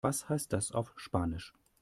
Was heißt das auf Spanisch?